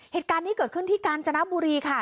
เหตุการณ์นี้เกิดขึ้นที่กาญจนบุรีค่ะ